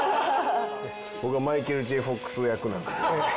僕はマイケル・Ｊ・フォックス役なんですけど。